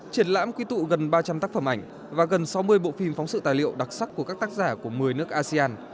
triển lãm quy tụ gần ba trăm linh tác phẩm ảnh và gần sáu mươi bộ phim phóng sự tài liệu đặc sắc của các tác giả của một mươi nước asean